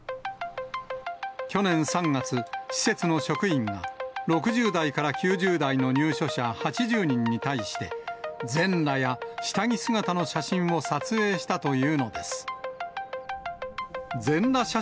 去年３月、施設の職員が６０代から９０代の入所者８０人に対し、全裸や下着姿の写真を撮影したというのです。